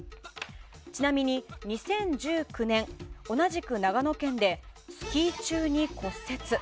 ちなみに２０１９年、同じく長野県でスキー中に骨折。